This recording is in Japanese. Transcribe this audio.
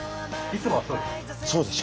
いつもはそうです。